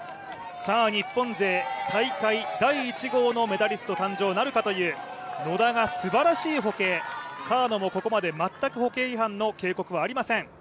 日本勢、大会第１号のメダリスト誕生なるかという野田がすばらしい歩型川野もここまで全く歩型違反の警告はありません。